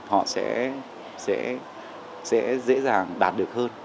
họ sẽ dễ dàng đạt được hơn